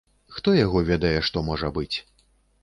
Хто яго ведае, што можа быць.